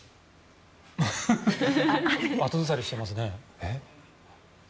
後ずさりしてますね。